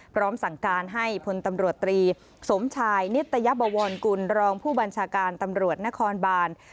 พร้อมสั่งการให้พลตำรวจตรีสมชายนิตยบวรกุลรองผู้บัญชาการตำรวจนครบาน